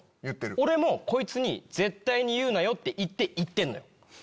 俺もこいつに「絶対に言うなよ」って言って言ってるのよ。